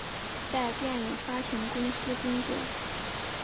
在电影发行公司工作。